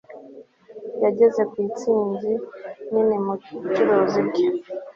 Yageze ku ntsinzi nini mu bucuruzi bwe